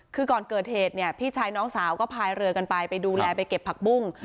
คือก่อนเกิดเหตุเนี่ยพี่ชายน้องสาวก็พายเรือกันไปไปดูแลไปเก็บผักบุ้ง